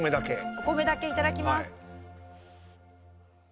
お米だけいただきます。